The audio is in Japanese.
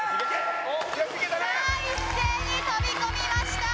さあ一斉に飛び込みました。